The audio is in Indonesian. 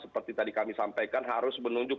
seperti tadi kami sampaikan harus menunjuk